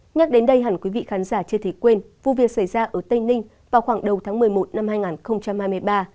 nhắc đến đây hẳn quý vị khán giả chưa thể quên vụ việc xảy ra ở tây ninh vào khoảng đầu tháng một mươi một năm hai nghìn hai mươi ba